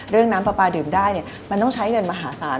เรื่องน้ำปลาดื่มได้เนี่ยมันต้องใช้เงินมหาศาล